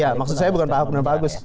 ya maksud saya bukan pak agus